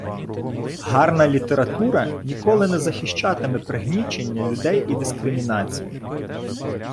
Гарна література ніколи не захищатиме пригнічення людей і дискримінацію.